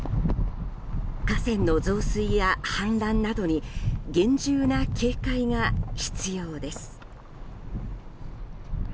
河川の増水や氾濫などに厳重な警戒が必要です。